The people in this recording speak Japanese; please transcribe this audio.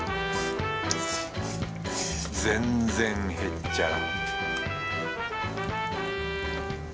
全然へっちゃら